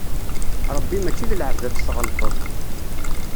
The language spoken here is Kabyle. Ṛebbi mačči d lɛebd ad t-tɣellṭeḍ.